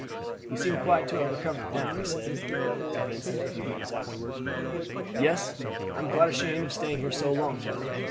"You seem quite to have recovered now," he said to Vincent a few minutes afterward. "Yes; I am quite ashamed of staying here so long, general.